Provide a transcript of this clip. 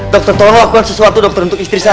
dokter tolong lakukan sesuatu dokter untuk istri saya